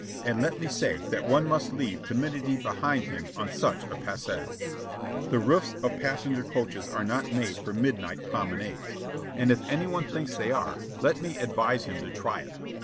And let me say that one must leave timidity behind him on such a passear. The roofs of passenger coaches are not made for midnight promenades. And if any one thinks they are, let me advise him to try it.